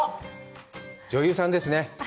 女優さんですね。